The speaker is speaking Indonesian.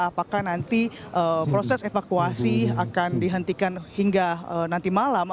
apakah nanti proses evakuasi akan dihentikan hingga nanti malam